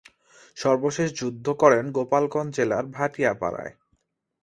সর্বশেষ যুদ্ধ করেন গোপালগঞ্জ জেলার ভাটিয়াপাড়ায়।